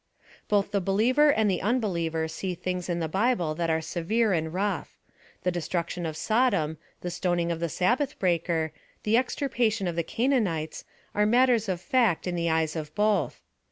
Both the believer and the unbeliever see things in the Bible that are severe and rough. The destruction of Sodom, :he stoning of the Sabbath breaker, the extirpa tion of the Canaanites, are matters of fact in the eyes of both.